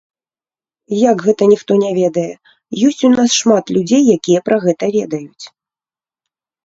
Як гэта ніхто не ведае, ёсць у нас шмат людзей, якія пра гэта ведаюць.